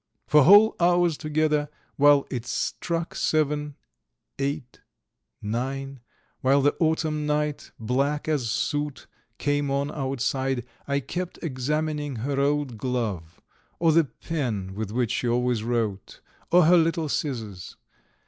For whole hours together, while it struck seven, eight, nine, while the autumn night, black as soot, came on outside, I kept examining her old glove, or the pen with which she always wrote, or her little scissors.